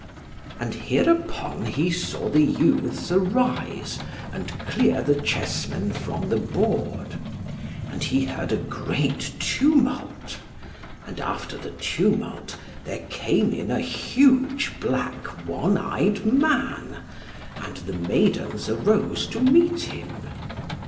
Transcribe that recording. And hereupon he saw the youths arise and clear the chessmen from the board. And he heard a great tumult; and after the tumult there came in a huge black one eyed man, and the maidens arose to meet him.